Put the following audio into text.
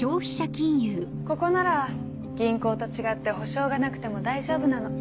ここなら銀行と違って保証がなくても大丈夫なの。